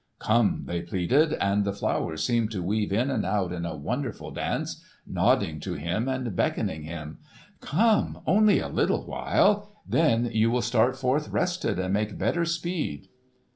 "Come!" they pleaded; and the flowers seemed to weave in and out in a wonderful dance, nodding to him and beckoning him. "Come! Only a little while! Then you will start forth rested and make better speed."